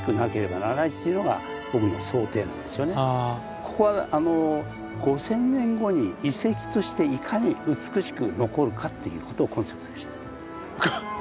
ここはあの五千年後に遺跡としていかに美しく残るかっていうことをコンセプトにしてるんです。